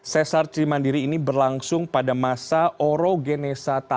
sesar cimandiri ini berlangsung pada masa orogenesatan